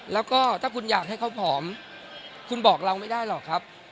แล้วก็ถ้าคุณอยากให้เขาผอมคุณบอกเราไม่ได้หรอกครับ